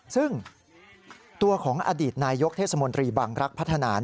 ซึ่งตัวของอดีตนายกเทศมนตรีบังรักษ์พัฒนา